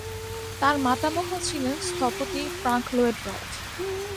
তার মাতামহ ছিলেন স্থপতি ফ্র্যাংক লয়েড রাইট।